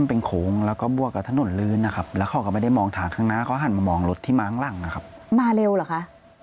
ทั้งสองคันเพราะว่ามันใกล้เคียงกันเองใช่ไหมคะ